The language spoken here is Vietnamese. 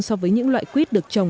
so với những loại quýt được trồng